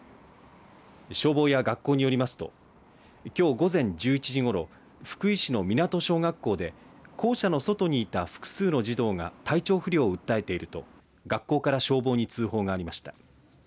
消防や学校によりますときょう午前１１時ごろ福井市の湊小学校で校舎の外にいた複数の児童が体調不良を訴えていると学校から消防に通報がありました。